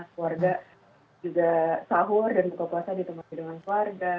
keluarga juga sahur dan buka puasa ditemani dengan keluarga